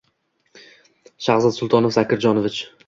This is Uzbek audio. Shaxzad Sultanov Zakirjanovich